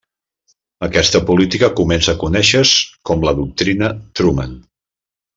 Aquesta política començà a conèixer-se com la Doctrina Truman.